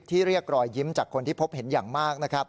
ที่เรียกรอยยิ้มจากคนที่พบเห็นอย่างมาก